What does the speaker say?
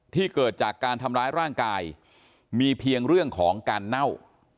เกิดจากการทำร้ายร่างกายมีเพียงเรื่องของการเน่า